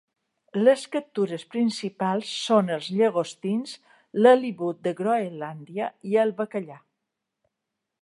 Les captures principals són els llagostins, l'halibut de Groenlàndia i el bacallà.